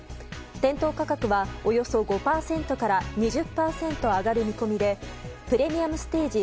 店頭価格はおよそ５％から２０％上がる見込みでプレミアムステージ